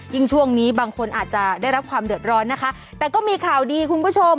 ช่วงนี้บางคนอาจจะได้รับความเดือดร้อนนะคะแต่ก็มีข่าวดีคุณผู้ชม